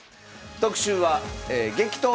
特集は「激闘！